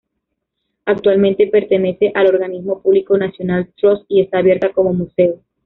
Actualmente pertenece al organismo público National Trust y está abierta como museo.